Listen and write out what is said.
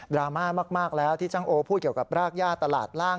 รามากแล้วที่ช่างโอพูดเกี่ยวกับรากย่าตลาดล่าง